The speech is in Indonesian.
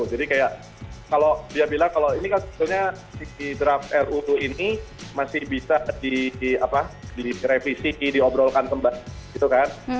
jadi kayak kalau dia bilang kalau ini kan sebetulnya si draft ruu ini masih bisa direvisi diobrolkan tempat gitu kan